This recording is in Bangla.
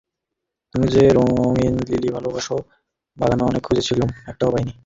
তুমি যে রঙিন লিলি ভালোবাস, বাগানে অনেক খুঁজেছিলুম, একটাও পাই নি।